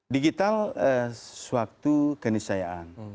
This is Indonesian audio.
digital sewaktu kenisayaan